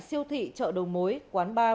siêu thị chợ đầu mối quán bar